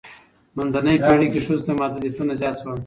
منځنۍ پیړۍ کې ښځو ته محدودیتونه زیات شول.